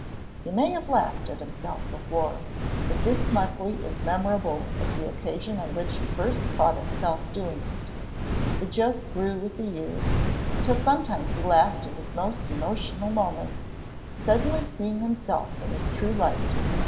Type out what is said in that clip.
He may have laughed at himself before, but this Muckley is memorable as the occasion on which he first caught himself doing it. The joke grew with the years, until sometimes he laughed in his most emotional moments, suddenly seeing himself in his true light.